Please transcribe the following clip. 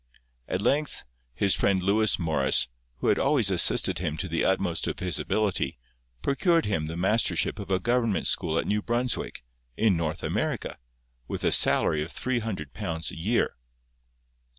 At length his friend Lewis Morris, who had always assisted him to the utmost of his ability, procured him the mastership of a Government school at New Brunswick, in North America, with a salary of three hundred pounds a year.